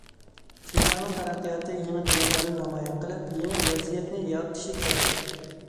شىنجاڭنىڭ تەرەققىياتى يېڭى تەلەپلەرنى نامايان قىلىپ، يېڭى ۋەزىيەتنى يارىتىشى كېرەك.